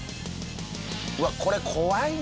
うわっこれ怖いね。